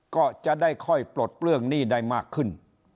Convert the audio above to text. ก็จะได้ค่อยปลดเปลื้องหนี้ได้มากขึ้น